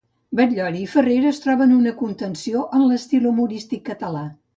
Batllori i Ferreres troben una contenció en l'estil humorístic català.